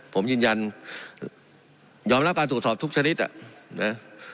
ผมยืนยันยอมรับการตรวจสอบทุกชนิดอ่ะนะ